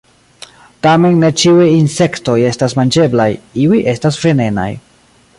Tamen ne ĉiuj insektoj estas manĝeblaj, iuj estas venenaj.